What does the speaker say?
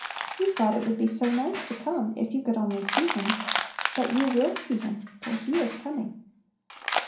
You thought it would be so nice to come, if you could only see Him. But you will see Him, for He is coming.